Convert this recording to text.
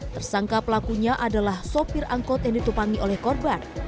tersangka pelakunya adalah sopir angkot yang ditupangi oleh korban